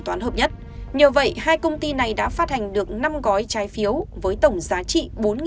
toán hợp nhất nhờ vậy hai công ty này đã phát hành được năm gói trái phiếu với tổng giá trị